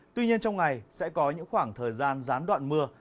tuy nhiên trong ngày sẽ có những khoảng thời gian gián đoạn mưa